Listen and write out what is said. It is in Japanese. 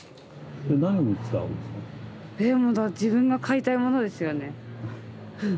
自分が買いたいものですよね。